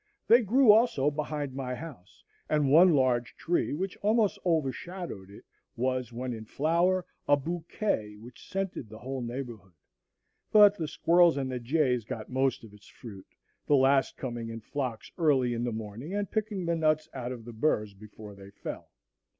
They grew also behind my house, and one large tree, which almost overshadowed it, was, when in flower, a bouquet which scented the whole neighborhood, but the squirrels and the jays got most of its fruit; the last coming in flocks early in the morning and picking the nuts out of the burrs before they fell.